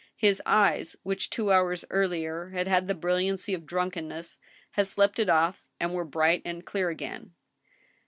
His eyes, which two hours earlier had had the brilliancy of drunkenness, had slept it off, and were bright and clear again.